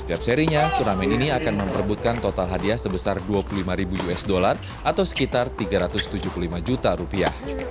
setiap serinya turnamen ini akan memperbutkan total hadiah sebesar dua puluh lima ribu usd atau sekitar tiga ratus tujuh puluh lima juta rupiah